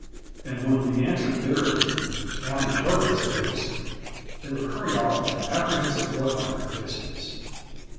and when we answered bitterly: "Counting turbots' eggs," they would hurry off with an apprehensive look on their faces.